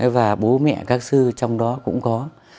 và bố mẹ các sư trong đó cũng có